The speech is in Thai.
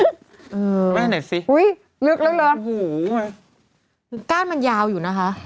เออแม่ไหนสิอุ้ยลึกแล้วแล้วหูไงก้านมันยาวอยู่น่ะฮะ